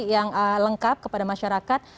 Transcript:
yang lengkap kepada masyarakat